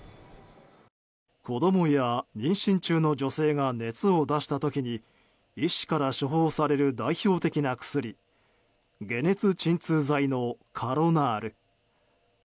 子供や妊娠中の女性が熱を出した時に医師から処方される代表的な薬解熱鎮痛剤のカロナール。